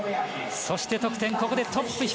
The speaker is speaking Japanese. そして得点、ここでトップ。